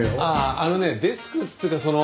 あのねデスクっていうかそのまあ